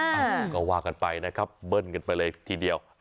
อ่ะก็ว่ากันไปนะครับเบิ้ลกันไปเลยทีเดียว